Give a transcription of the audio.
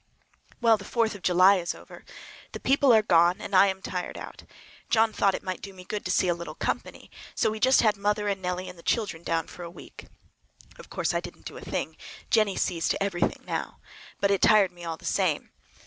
Well, the Fourth of July is over! The people are gone and I am tired out. John thought it might do me good to see a little company, so we just had mother and Nellie and the children down for a week. Of course I didn't do a thing. Jennie sees to everything now. But it tired me all the same.